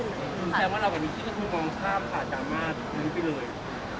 แสดงว่าเราแบบนี้คือคือมองข้ามผ่านจากมากนึงไปเลย